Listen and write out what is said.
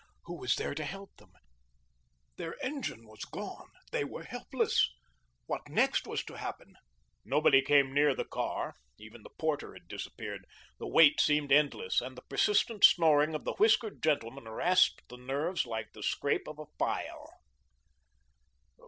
Who was there to help them? Their engine was gone; they were helpless. What next was to happen? Nobody came near the car. Even the porter had disappeared. The wait seemed endless, and the persistent snoring of the whiskered gentleman rasped the nerves like the scrape of a file.